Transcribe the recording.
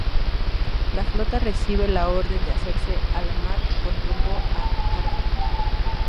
La flota recibe la orden de hacerse a la mar con rumbo a Argel.